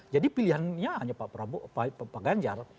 jadi pilihannya hanya pak ganjar